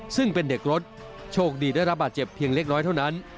ซึ่งเป็นเด็กรถโชคดีได้รับบาดเจ็บเพียงเล็กน้อยเท่านั้น